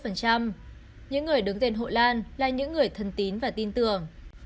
những người đứng tên hội lan là những người thân tín và tin tưởng